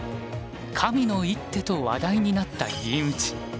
「神の一手」と話題になった銀打ち。